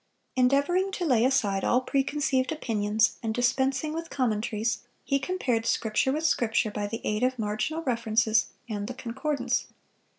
Endeavoring to lay aside all preconceived opinions, and dispensing with commentaries, he compared scripture with scripture by the aid of the marginal references and the concordance.